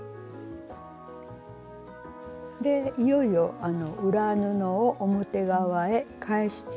でいよいよ裏布を表側へ返します。